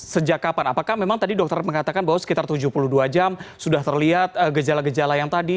sejak kapan apakah memang tadi dokter mengatakan bahwa sekitar tujuh puluh dua jam sudah terlihat gejala gejala yang tadi